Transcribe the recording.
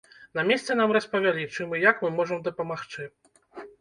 На месцы нам распавялі, чым і як мы можам дапамагчы.